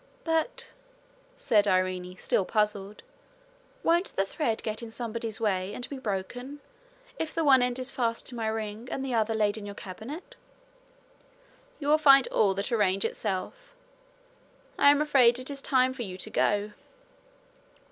'But,' said Irene, still puzzled, 'won't the thread get in somebody's way and be broken, if the one end is fast to my ring, and the other laid in your cabinet?' 'You will find all that arrange itself. I am afraid it is time for you to go.'